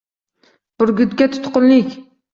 Burgutga tutqunlik